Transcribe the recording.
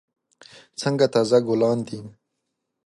څنګه تازه ګلان دي.